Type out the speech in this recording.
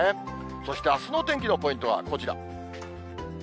そしてあすの天気のポイントはこちら。